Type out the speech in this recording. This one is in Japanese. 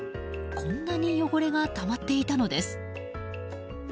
こんなに汚れがたまっていたのです。